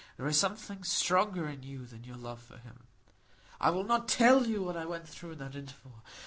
There is something stronger in you than your love for him. "I will not tell you what I went through in that interval.